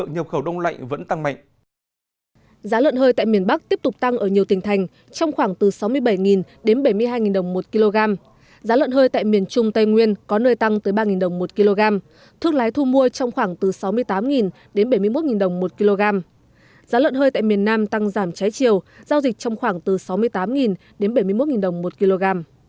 năm tăng giảm trái chiều giao dịch trong khoảng từ sáu mươi tám đến bảy mươi một đồng một kg